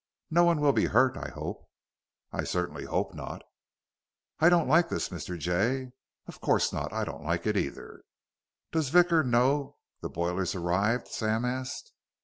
"No one will be hurt, I hope." "I certainly hope not." "I don't like this, Mr. Jay." "Of course not. I don't like it either." "Does Vickers know the boiler's arrived?" Sam asked.